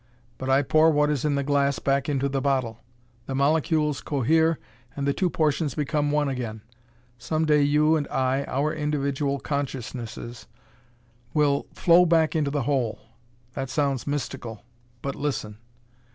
But I pour what is in the glass back into the bottle. The molecules cohere and the two portions become one again. Some day you and I our individual consciousnesses will flow back to the Whole. That sounds mystical, but listen.